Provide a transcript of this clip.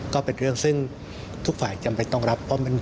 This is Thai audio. ก็เป็นเรื่องซึ่งทุกฝ่ายจำเป็นต้องรับเพราะมัน